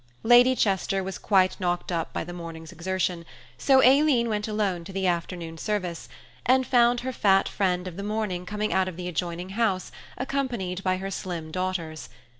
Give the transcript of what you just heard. Lady Chester was quite knocked up by the morning's exertion, so Aileen went alone to the afternoon service, and found her fat friend of the morning coming out of the adjoining house, accompanied by her slim daughters.